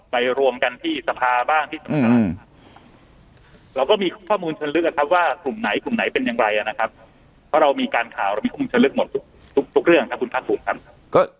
เพราะเรามีการข่าวมีข้อมูลชนลึกหมดทุกเรื่องครับคุณภาคภูมิครับ